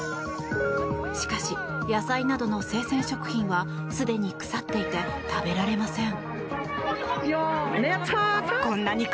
しかし、野菜などの生鮮食品はすでに腐っていて食べられません。